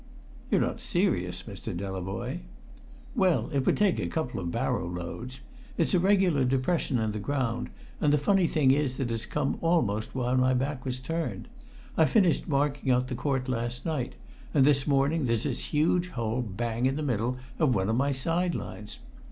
"You're not serious, Mr. Delavoye." "Well, it would take a couple of barrow loads. It's a regular depression in the ground, and the funny thing is that it's come almost while my back was turned. I finished marking out the court last night, and this morning there's this huge hole bang in the middle of one of my side lines!